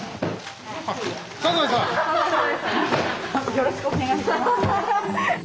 よろしくお願いします。